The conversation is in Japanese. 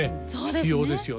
必要ですよね。